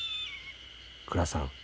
『倉さん